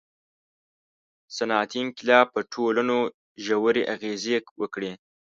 • صنعتي انقلاب په ټولنو ژورې اغېزې وکړې.